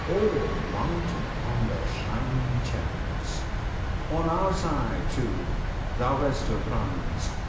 All mounted on their shining chariots! On our side, too, thou best of Brahmans!